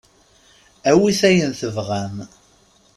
Awit ayen tebɣam.